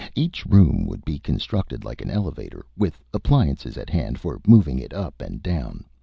Each room would be constructed like an elevator, with appliances at hand for moving it up and down.